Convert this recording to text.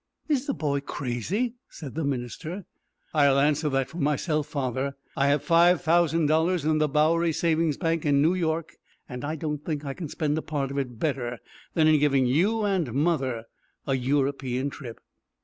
"Is the boy crazy?" said the minister. "I'll answer that for myself, father. I have five thousand dollars in the Bowery Savings Bank, in New York, and I don't think I can spend a part of it better than in giving you and mother a European trip."